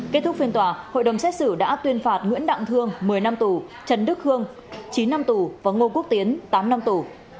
kết thúc phiên tòa hội đồng xét xử đã tuyên phạt nguyễn đặng thương một mươi năm tù trần đức hương chín năm tù và ngô quốc tiến tám năm tù